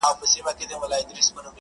بيا به تاوان راکړې د زړگي گلي.